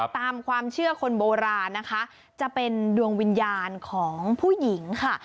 ตามความเชื่อคนโบราณนะคะจะเป็นดวงวิญญาณของผู้หญิงค่ะ